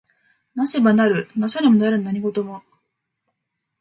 為せば成る為さねば成らぬ何事も。